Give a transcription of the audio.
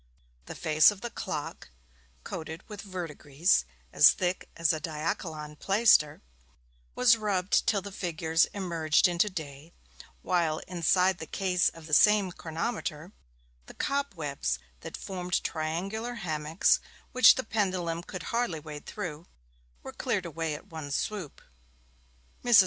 The face of the clock, coated with verdigris as thick as a diachylon plaister, was rubbed till the figures emerged into day; while, inside the case of the same chronometer, the cobwebs that formed triangular hammocks, which the pendulum could hardly wade through, were cleared away at one swoop. Mrs.